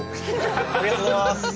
ありがとうございます。